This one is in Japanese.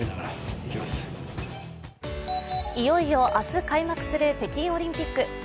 いよいよ明日開幕する北京オリンピック。